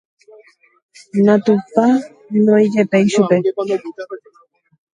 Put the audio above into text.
natupãnoijepéi chupe